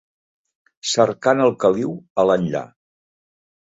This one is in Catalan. Cercant el caliu a l'enllà